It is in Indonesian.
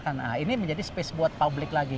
karena ini menjadi space buat publik lagi